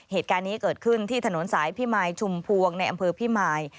เหตุการณ์นี้เกิดขึ้นที่ถนนสายพิมายชุมพวงในอำเภอพิมาย